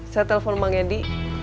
saya telepon bang edi